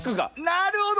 なるほど！